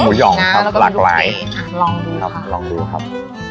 หย่องครับหลากหลายลองดูครับลองดูครับ